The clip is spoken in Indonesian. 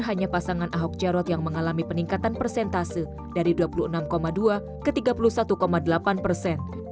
hanya pasangan ahok jarot yang mengalami peningkatan persentase dari dua puluh enam dua ke tiga puluh satu delapan persen